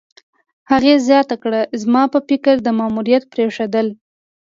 هغې زیاته کړه: "زما په فکر، د ماموریت پرېښودل